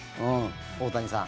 大谷さん。